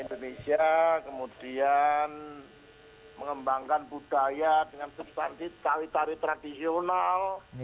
indonesia kemudian mengembangkan budaya dengan substansi tari tari tradisional